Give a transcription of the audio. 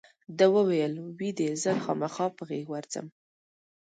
ده وویل وی دې زه خامخا په غېږ ورځم.